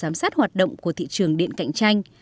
giám sát hoạt động của thị trường điện cạnh tranh